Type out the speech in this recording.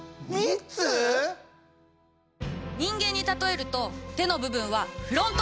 人間にたとえると手の部分はフロント。